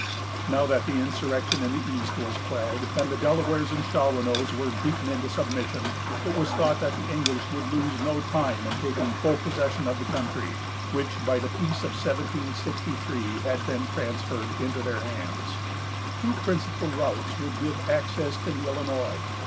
Now that the insurrection in the east was quelled, and the Delawares and Shawanoes were beaten into submission, it was thought that the English would lose no time in taking full possession of the country, which, by the peace of 1763, had been transferred into their hands. Two principal routes would give access to the Illinois.